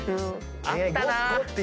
あったな！